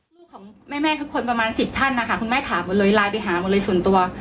ลูกของแม่ทุกคนประมาณ๑๐ท่านนะคะคุณแม่ถามหมดเลยไลน์ไปหาหมดเลยส่วนตัว